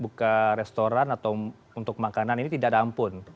buka restoran atau untuk makanan ini tidak ada ampun